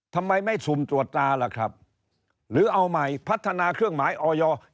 ทำไมไม่สุ่มตรวจตาล่ะครับหรือเอาใหม่พัฒนาเครื่องหมายออย